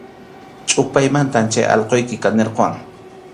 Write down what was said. Chʼupaymantam chay allquyki kanirquwan.